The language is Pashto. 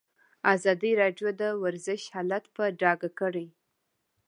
ازادي راډیو د ورزش حالت په ډاګه کړی.